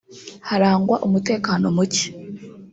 harangwa umutekano muke